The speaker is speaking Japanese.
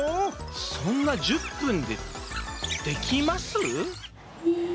そんな１０分でできます？